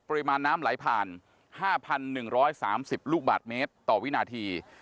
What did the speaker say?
ปริมาณน้ำไหลผ่าน๕๑๓๐ลูกบาทเมตรต่อวินาที